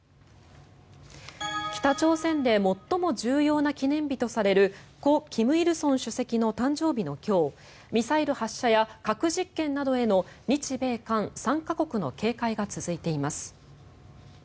北朝鮮で最も重要な記念日とされる故・金日成主席の誕生日の今日ミサイル発射や核実験などへの日米韓３か国への警戒が続いています。